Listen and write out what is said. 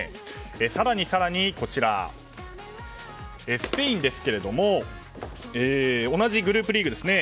更に更に、スペインですけども同じグループリーグですね。